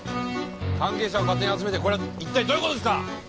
関係者を勝手に集めてこれはいったいどういうことですか！？